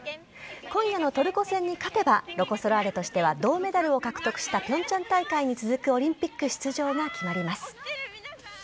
今夜のトルコ戦に勝てばロコ・ソラーレとしては銅メダルを獲得した平昌大会に続くオリンピック出場が決まります。